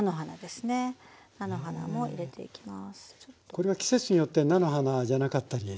これは季節によって菜の花じゃなかったりするんですね。